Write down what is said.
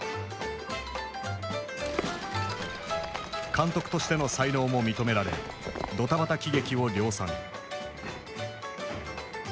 監督としての才能も認められどたばた喜劇を量産。